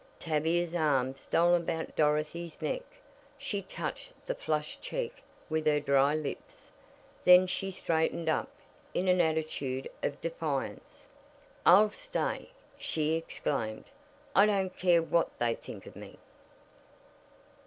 Tavia's arm stole about Dorothy's neck. She touched the flushed cheek with her dry lips. Then she straightened up in an attitude of defiance. "I'll stay!" she exclaimed. "I don't care what they think of me."